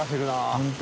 本当。